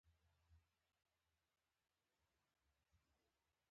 د داسې طرحې تطبیقول ډېرې پیسې غواړي.